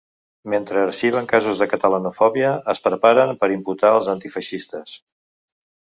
Mentre arxiven casos de catalanofòbia, es preparen per imputar als antifeixistes.